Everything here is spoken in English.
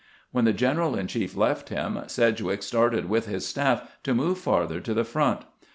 When the general in chief left him, Sedgwick started with his staff to move farther to the front.